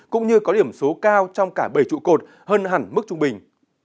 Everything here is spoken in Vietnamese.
cũng như có điểm số cao trong cả bảy trụ cột hơn hẳn mức trung bình